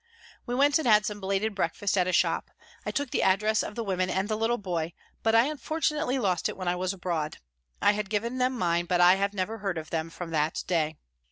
We went and had some belated breakfast at a shop. I took the address of the women and the little boy, but I unfortunately lost it when I was abroad. I had given them mine, but I have never heard of them from that day.